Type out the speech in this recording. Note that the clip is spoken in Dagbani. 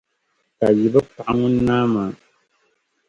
ka yi bɛ paɣi ŋun naa maa.